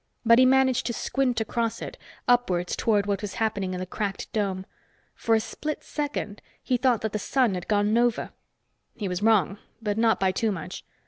But he managed to squint across it, upwards toward what was happening in the cracked dome. For a split second, he thought that the sun had gone nova. He was wrong, but not by too much.